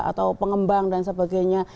atau pengembang dan sebagainya